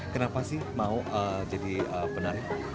kenapa sih mau jadi penarik